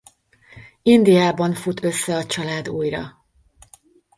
Indiában fut össze a család újra.